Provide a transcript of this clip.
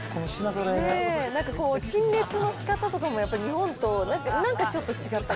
なんかこう、陳列のしかたとかも日本となんかちょっと違ったり。